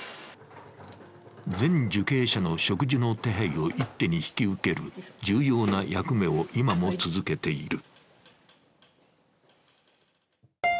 全受刑者の食事の手配を一手に引き受ける重要な役目を今も続けている。